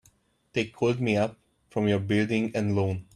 They called me up from your Building and Loan.